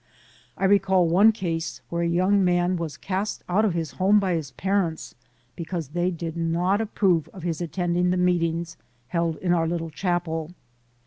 I recall one case where & young man was cast out of his home by his parents because they did not approve of his attending the meetings held in our little chapel.